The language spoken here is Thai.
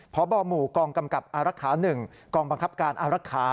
พบหมู่กองกำกับอารักษา๑กองบังคับการอารักษา